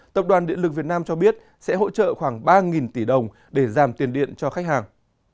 tập đoàn điện lực việt nam cho biết sẽ hỗ trợ khoảng ba tỷ đồng để giảm tiền điện cho khách hàng